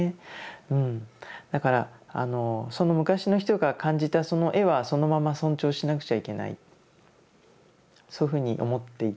だからその昔の人が感じたその絵はそのまま尊重しなくちゃいけないそういうふうに思っていて。